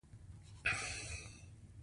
رسول الله ﷺ ته به خلکو “امین” ویل.